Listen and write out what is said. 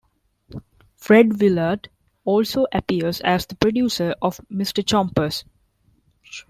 Fred Willard also appears as the producer of Mr. Chompers.